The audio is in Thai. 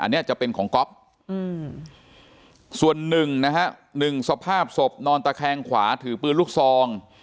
อันนี้จะเป็นของก๊อฟส่วนหนึ่งนะฮะหนึ่งสภาพศพนอนตะแคงขวาถือปืนลูกซอง